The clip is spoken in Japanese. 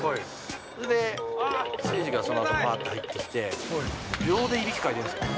それで、誠司がそのあとばーって入ってきて、秒でいびきかいてるんですよ。